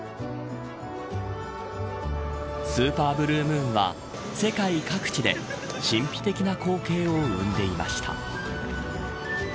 スーパーブルームーンは世界各地で神秘的な光景を生んでいました。